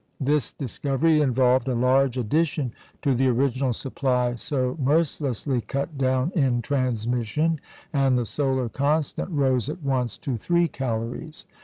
This discovery involved a large addition to the original supply so mercilessly cut down in transmission, and the solar constant rose at once to three calories.